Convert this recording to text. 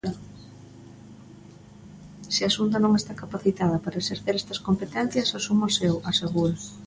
Se a Xunta non está "capacitada" para exercer estas competencias "asúmoas eu", asegura.